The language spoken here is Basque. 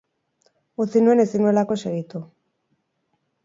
Utzi nuen ezin nuelako segitu.